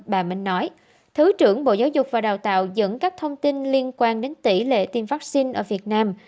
bà minh nói thứ trưởng bộ giáo dục và đào tạo dẫn các thông tin liên quan đến tỷ lệ tiêm vaccine ở việt nam